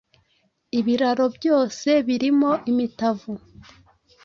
Ibiraro byose birimo imitavu